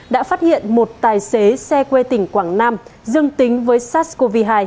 đã phát hiện một tài xế xe quê tỉnh quảng nam dương tính với sars cov hai